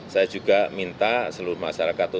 saya juga minta seluruh masyarakat untuk